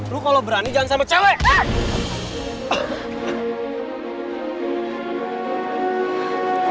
lu kalau berani jangan sampai cewek